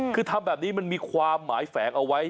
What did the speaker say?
คือทำแบบนี้มันมีความหมายแฝงเอาไว้